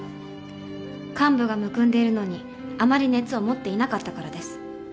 患部がむくんでいるのにあまり熱を持っていなかったからです。